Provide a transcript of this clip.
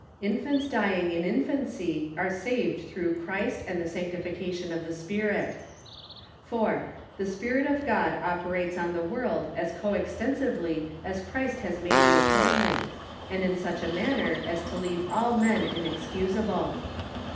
Infants dying in infancy are saved through Christ and the sanctification of the Spirit ; 4. The Spirit of God operates on the world as coextensively as Christ has made the atone ment, and in such a manner as to leave all men inexcusable.